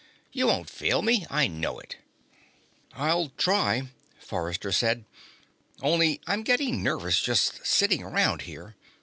You won't fail me I know it." "I'll try," Forrester said. "Only I'm getting nervous just sitting around here.